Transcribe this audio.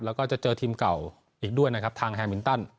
แล้วก็จะเจอทีมเก่าอีกด้วยนะครับทางแฮมินตัน